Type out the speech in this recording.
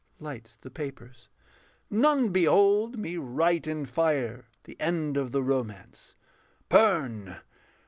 [Lights the papers.] None behold Me write in fire the end of the romance. Burn!